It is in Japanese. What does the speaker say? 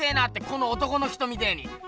この男の人みてえに。